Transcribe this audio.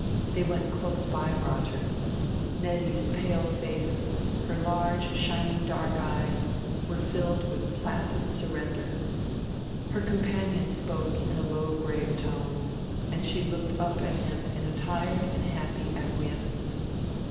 They went close by Roger: Nettie's pale face, her large shining dark eyes, were filled with placid surrender. Her companion spoke in a low grave tone, and she looked up at him in a tired and happy acquiescence.